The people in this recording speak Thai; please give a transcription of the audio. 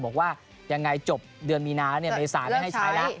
บอกว่ายังไงจบเดือนมีนาแล้วเนี่ยในสารไม่ให้ใช้แล้ว